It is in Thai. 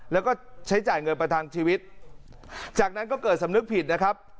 แล้วก็ใช้จ่ายเงินประทังชีวิตจากนั้นก็เกิดสำนึกผิดนะครับ